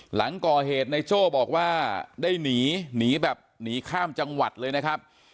หลังก่อเหตุในโจ้บอกว่าได้หนีหนีแบบหนีข้ามจังหวัดเลยนะครับ